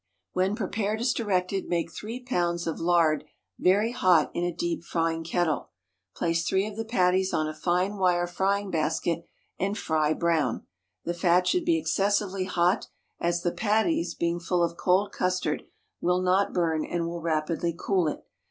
When prepared as directed, make three pounds of lard very hot in a deep frying kettle,[119 *] place three of the patties on a fine wire frying basket, and fry brown. The fat should be excessively hot, as the patties, being full of cold custard, will not burn, and will rapidly cool it.